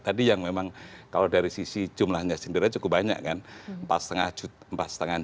tadi yang memang kalau dari sisi jumlahnya sendiri cukup banyak kan